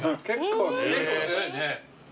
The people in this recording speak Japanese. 結構強いね。